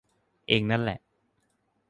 เอ็งนั่นแหละ